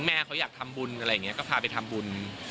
แม่เขาอยากทำบุญอะไรอย่างนี้ก็พาไปทำบุญ